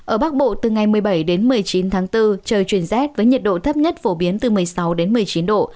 ở bắc bộ từ ngày một mươi bảy đến một mươi chín tháng bốn trời chuyển rét với nhiệt độ thấp nhất phổ biến từ một mươi sáu đến một mươi chín độ